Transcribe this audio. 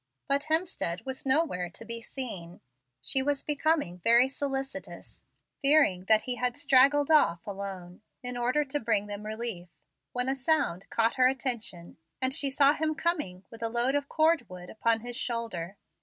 But Hemstead was nowhere to be seen. She was becoming very solicitous, fearing that he had straggled off alone, in order to bring them relief, when a sound caught her attention, and she saw him coming with a load of cord wood upon his shoulder.